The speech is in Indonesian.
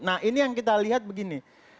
nah ini yang kita lihat begini